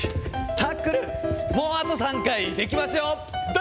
タックル、もうあと３回、できますよ。